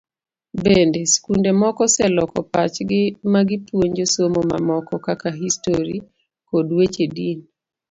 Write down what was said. Bende, skunde moko oseloko pachgi ma gipuonjo somo mamoko kaka Histori kod weche din.